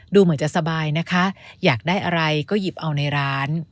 ดูเหมือนจะสบายนะคะอยากได้อะไรก็หยิบเอาในร้าน